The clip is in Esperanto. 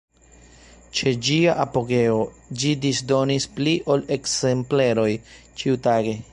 Ĉe ĝia apogeo, ĝi disdonis pli ol ekzempleroj ĉiutage.